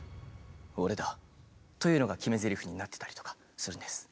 というのが決めぜりふになってたりとかするんです。